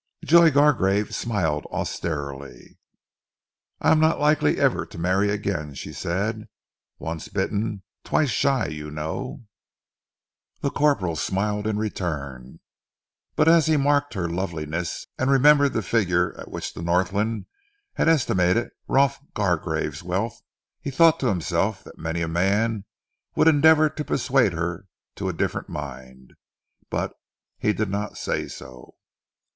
Joy Gargrave smiled austerely. "I am not likely ever to marry again," she said. "Once bitten, twice shy, you know." The corporal smiled in return, but as he marked her loveliness and remembered the figure at which the Northland had estimated Rolf Gargrave's wealth, he thought to himself that many a man would endeavour to persuade her to a different mind, but he did not say so.